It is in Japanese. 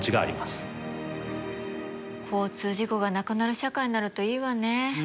交通事故がなくなる社会になるといいわね。